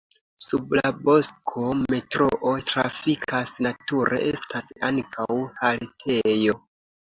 Sub la bosko metroo trafikas, nature estas ankaŭ haltejo.